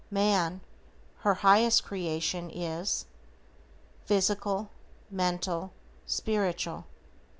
Man, her highest creation is: Physical, Mental, Spiritual.